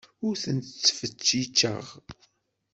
Ur ten-ttfetticeɣ.